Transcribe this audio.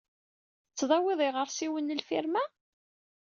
Tettdawiḍ iɣersiwen n lfirma?